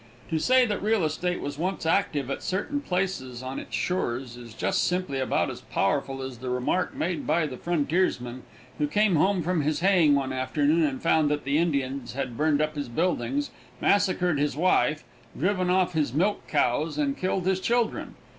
To say that real estate was once active at certain places on its shores is just simply about as powerful as the remark made by the frontiersman who came home from his haying one afternoon and found that the Indians had burned up his buildings, massacred his wife, driven off his milch cows and killed his children.